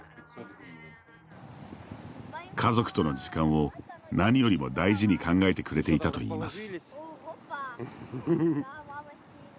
家族との時間を何よりも大事に考えてくれていたといいます。